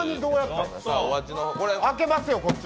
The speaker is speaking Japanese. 開けますよ、こっちも。